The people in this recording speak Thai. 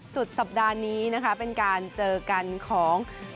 สุดสัปดาห์นี้นะคะเป็นการเจอกันของ